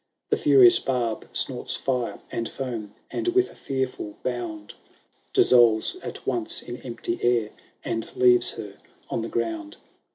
LSIV The furious Barb snorts fire and foam , And, with a fearful bound Dissolves at once in empty air, And leaves her on the ground.